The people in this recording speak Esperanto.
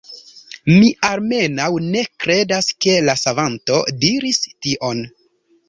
Mi, almenaŭ ne kredas ke la Savanto diris tion.